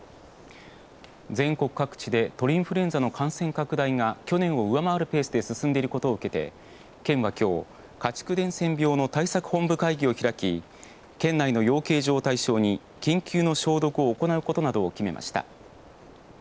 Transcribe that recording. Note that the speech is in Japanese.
全国各地で鳥インフルエンザの感染拡大が去年を上回るペースで進んでいることを受けて県はきょう、家畜伝染病の対策本部会議を開き県内の養鶏場を対象に緊急の消毒を行うことなどを決めました。